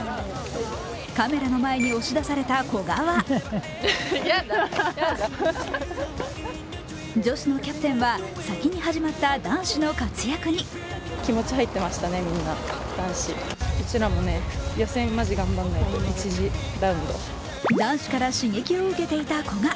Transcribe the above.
カメラの前に押し出された古賀は女子のキャプテンは先に始まった男子の活躍に男子から刺激を受けていた古賀。